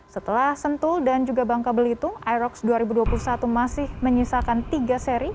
setelah sentul dan juga bangka belitung irox dua ribu dua puluh satu masih menyisakan tiga seri